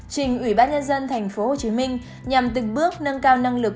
trình ủy ban nhân dân tp hcm nhằm từng bước nâng cao năng lực